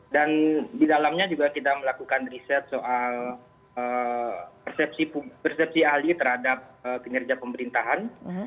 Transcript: dan di dalamnya juga kita melakukan riset soal persepsi ahli terhadap kinerja pemerintahan